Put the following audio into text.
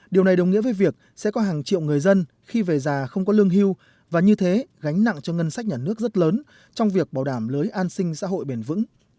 điều này đồng nghĩa với việc sẽ có hàng triệu người dân khi về già không có lương hưu và như thế gánh nặng cho ngân sách nhà nước rất lớn trong việc bảo đảm lưới an sinh xã hội bền vững